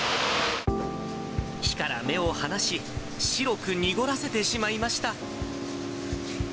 火から目を離し、白く濁らせてしまいました。